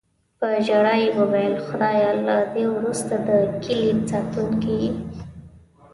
په ژړا یې وویل: "خدایه، له دې وروسته د کیلي ساتونکی یې".